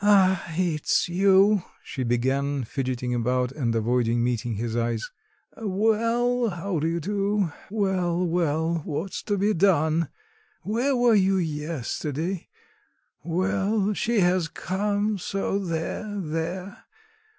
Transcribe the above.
"Ah, it's you," she began, fidgeting about and avoiding meeting his eyes, "well, how do you do? Well, well, what's to be done! Where were you yesterday? Well, she has come, so there, there!